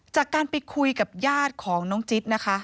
จากการไปคุยกับญาติของน้องจิ๊ดนะคะ